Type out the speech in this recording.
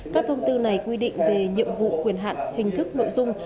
các thông tư này quy định về nhiệm vụ quyền hạn hình thức nội dung